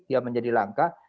ya menjadi langka